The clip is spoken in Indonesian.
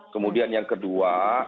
kemudian yang kedua